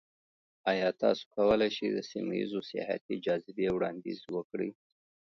ایا تاسو کولی شئ د سیمه ایزو سیاحتي جاذبې وړاندیز وکړئ؟